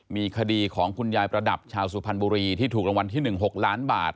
มีคดีของคุณยายประดับชาวสุพรรณบุรีที่ถูกรางวัลที่๑๖ล้านบาท